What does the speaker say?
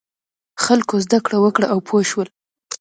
خلکو زده کړه وکړه او پوه شول.